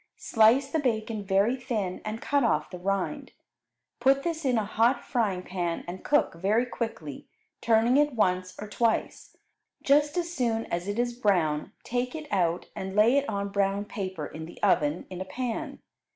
Slice the bacon very thin and cut off the rind; put this in a hot frying pan and cook very quickly, turning it once or twice. Just as soon as it is brown take it out and lay it on brown paper in the oven in a pan.